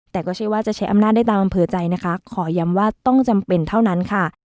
แต่ก็เชื่อว่าจะใช้อำนาจได้ตามอำเภอใจนะคะขอย้ำว่าต้องจำเป็นเท่านั้นค่ะ